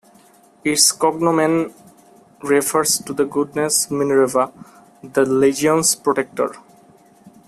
Its cognomen refers to the goddess Minerva, the legion's protector.